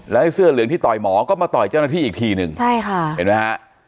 แล้วไอ้เสื้อเหลืองที่ต่อยหมอก็มาต่อยเจ้าหน้าที่อีกทีหนึ่งใช่ค่ะเห็นไหมฮะ